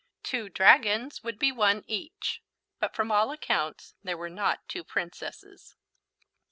Two dragons would be one each. But from all accounts there were not two Princesses.